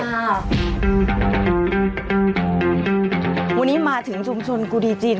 วันนี้มาถึงชุมชนกูดีจิน